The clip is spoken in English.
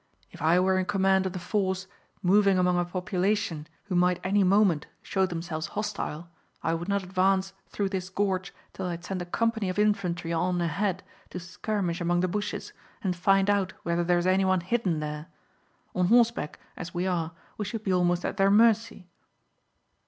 "If I were in command of the force moving among a population who might any moment show themselves hostile, I would not advance through this gorge till I had sent a company of infantry on ahead to skirmish among the bushes, and find out whether there is any one hidden there. On horseback as we are we should be almost at their mercy."